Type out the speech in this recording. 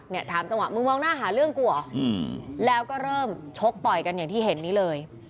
เนี่ยถามจังหวะมึงมองหน้าหาเรื่องกูเหรอแล้วก็เริ่มชกต่อยกันอย่างที่เห็นนี้เลย